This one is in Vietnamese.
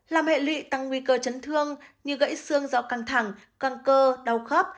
làm hệ lụy tăng nguy cơ chấn thương như gãy xương do căng thẳng căng cơ đau khớp